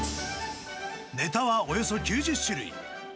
ネタはおよそ９０種類。